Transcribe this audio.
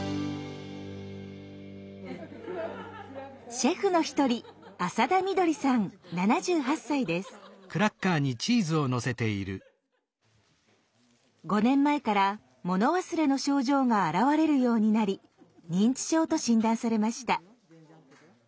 シェフの一人５年前から物忘れの症状が現れるようになり認知症と診断されました。